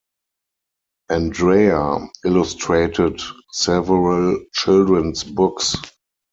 Andrea illustrated several children's books.